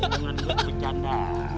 jangan buat bercanda